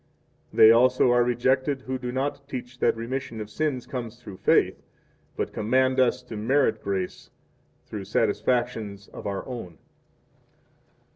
10 They also are rejected who do not teach that remission of sins comes through faith but command us to merit grace through satisfactions of our own.